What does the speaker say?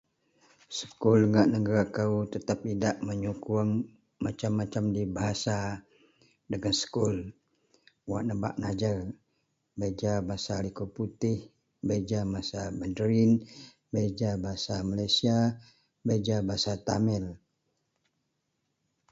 Sekul ngak negera kou tetep idak menyokong masem-masem ji bahasa dagen sekul wak nebak ngajar bei ja bahasa liko putih bei ja bahasa mandarin bei ja bahasa malaysia bei ja bahasa tamil.